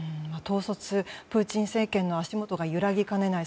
プーチン政権の足元が揺らぎかねない